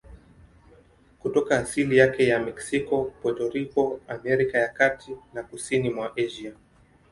Kutoka asili yake ya Meksiko, Puerto Rico, Amerika ya Kati na kusini mwa Asia.